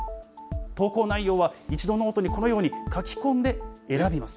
投稿内容は一度ノートにこのように書き込んで、選びます。